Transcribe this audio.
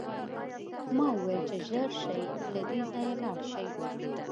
ما وویل چې ژر شئ او له دې ځایه لاړ شئ